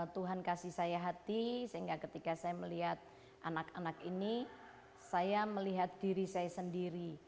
tuhan kasih saya hati sehingga ketika saya melihat anak anak ini saya melihat diri saya sendiri